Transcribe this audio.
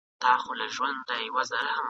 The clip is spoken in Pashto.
زمري ولیدی مېلمه چي غوښي نه خوري ..